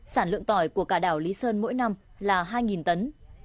sản lượng tỏi của cả đảo lý sơn mỗi năm là hai tấn